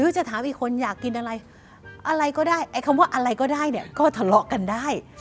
จะถามอีกคนอยากกินอะไรอะไรก็ได้ไอ้คำว่าอะไรก็ได้เนี่ยก็ทะเลาะกันได้